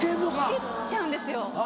つけちゃうんですよ。